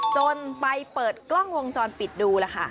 จนไปเปิดกล้องวงจรปิดดูแล้วค่ะ